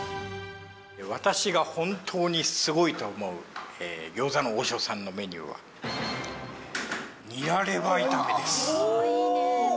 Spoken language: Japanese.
私が本当にすごいと思う餃子の王将さんのメニューは、ニラレバ炒めです。